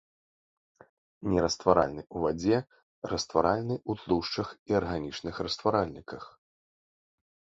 Нерастваральны ў вадзе, растваральны ў тлушчах і арганічных растваральніках.